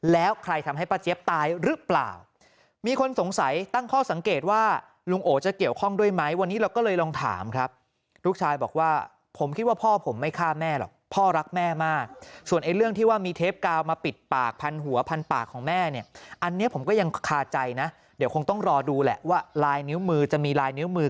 แล้วใครทำให้ป้าเจี๊ยบตายหรือเปล่ามีคนสงสัยตั้งข้อสังเกตว่าลุงโอจะเกี่ยวข้องด้วยไหมวันนี้เราก็เลยลองถามครับลูกชายบอกว่าผมคิดว่าพ่อผมไม่ฆ่าแม่หรอกพ่อรักแม่มากส่วนไอ้เรื่องที่ว่ามีเทปกาวมาปิดปากพันหัวพันปากของแม่เนี่ยอันนี้ผมก็ยังคาใจนะเดี๋ยวคงต้องรอดูแหละว่าลายนิ้วมือจะมีลายนิ้วมือ